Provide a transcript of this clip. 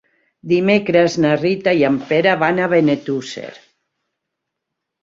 Dimecres na Rita i en Pere van a Benetússer.